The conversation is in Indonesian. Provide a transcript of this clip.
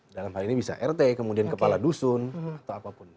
dalam hal ini bisa rt kemudian kepala dusun atau apapun